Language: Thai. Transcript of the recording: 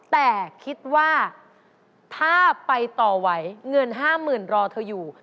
แต่คิดว่าถ้าไปต่อไหวเงิน๕๐๐๐รอเธออยู่